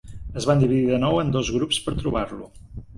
Es van dividir de nou en dos grups per trobar-lo.